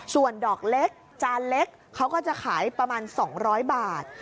ส่วนดอกเล็กจานเล็กเขาก็จะขายประมาณ๒๐๐บาท